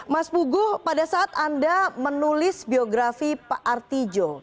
mas pugu pada saat anda menulis biografi pak artijo